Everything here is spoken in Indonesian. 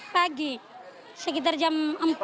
pagi sekitar jam empat